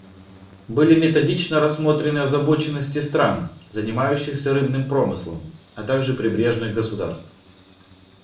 Были методично рассмотрены озабоченности стран, занимающихся рыбным промыслом, а также прибрежных государств.